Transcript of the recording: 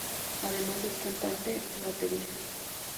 Además es cantante y baterista.